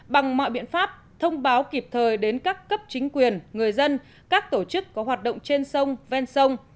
bằng mọi biện pháp thông báo kịp thời đến các cấp chính quyền người dân các tổ chức có hoạt động trên sông ven sông